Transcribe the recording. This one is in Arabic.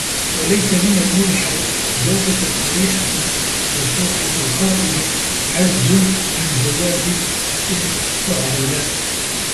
وَلَيْسَ لِمَنْ مُنِحَ جَوْدَةُ الْقَرِيحَةِ وَسُرْعَةُ الْخَاطِرِ عَجْزٌ عَنْ جَوَابٍ وَإِنْ أُعْضِلَ